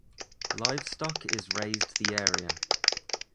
Livestock is raised the area.